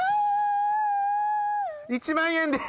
１万円です